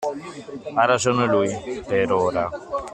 Ha ragione lui, per ora.